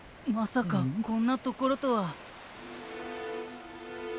まさかこんなところとは。